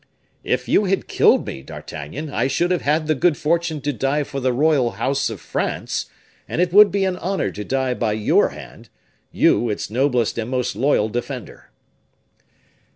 "If you had killed me, D'Artagnan, I should have had the good fortune to die for the royal house of France, and it would be an honor to die by your hand you, its noblest and most loyal defender."